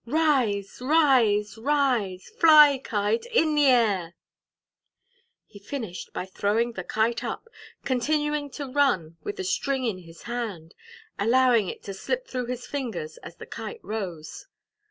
rise, rise, rise! fly, Kite, in the air!" He finished by throwing the Kite up, continuing to run with the string in his hand, allowing it to slip through his fingers as the Kite rose.